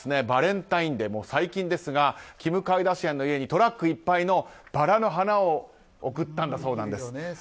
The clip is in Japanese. バレンタインデー、最近ですがキム・カーダシアンの家にトラックいっぱいのバラの花を贈ったんだそうです。